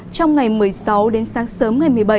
trong ngày một mươi sáu đến sáng sớm ngày một mươi bảy